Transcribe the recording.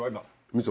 みそ。